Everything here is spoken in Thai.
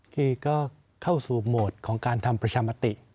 คือก็เข้าสู่โหมดของการทำประชามติ